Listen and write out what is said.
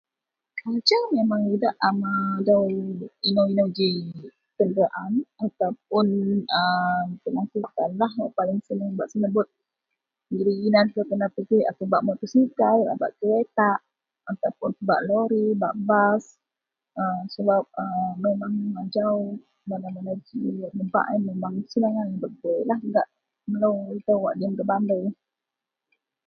Aku suka pebak wasek wak sesuai ji dagen masyarakat melo wak kena.